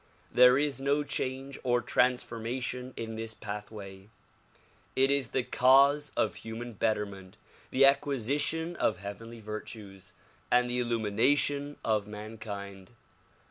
There is no change or trans formation in this pathway. It is the cause of human betterment, the acquisition of heavenly virtues and the illumination of man kind.